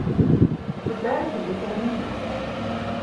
Ferbergje dizze rige.